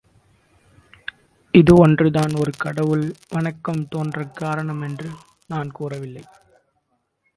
இது ஒன்றேதான் ஒரு கடவுள் வணக்கம் தோன்றக் காரணம் என்று நான் கூறவில்லை.